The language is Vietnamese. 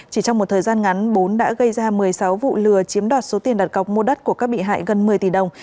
chỉ trong một thời gian ngắn bốn đã gây ra một mươi sáu vụ lừa chiếm đoạt số tiền đặt cọc mua đất của các bị hại gần một mươi tỷ đồng